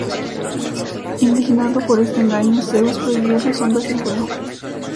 Indignado por este engaño, Zeus prohibió a los hombres el fuego.